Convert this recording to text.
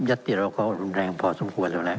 ยัตเตี๋ยวเราก็อ่อนแรงพอสมควรแล้วแหละ